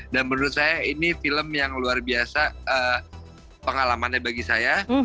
dan menurut saya ini film yang luar biasa pengalamannya bagi saya